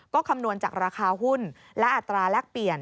ก็คำนวณจากราคาหุ้นและอัตราแลกเปลี่ยน